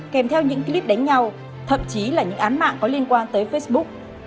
kèm theo những clip đánh nhau thậm chí là những án mạng có liên quan tới facebook